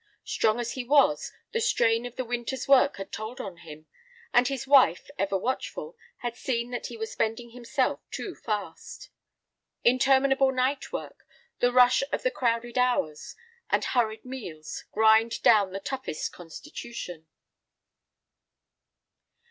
Strong as he was, the strain of the winter's work had told on him, and his wife, ever watchful, had seen that he was spending himself too fast. Interminable night work, the rush of the crowded hours, and hurried meals, grind down the toughest constitution.